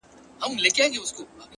• ما ځکه ویلي دي چي منظور پښتین ,